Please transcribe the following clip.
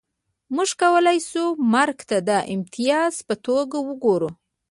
موږ کولای شو مرګ ته د امتیاز په توګه وګورو